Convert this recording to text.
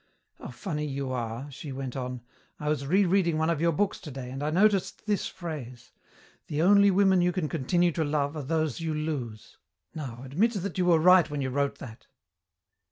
"How funny you are!" she went on. "I was re reading one of your books today, and I noticed this phrase, 'The only women you can continue to love are those you lose.' Now admit that you were right when you wrote that."